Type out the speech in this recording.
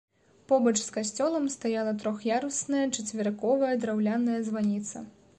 Побач з касцёлам стаяла трох'ярусная чацверыковая драўляная званіца.